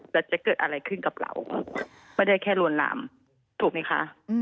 แล้วจะเกิดอะไรขึ้นกับเราไม่ได้แค่ลวนลามถูกไหมคะ